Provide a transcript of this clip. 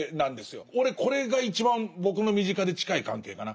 俺これが一番僕の身近で近い関係かな。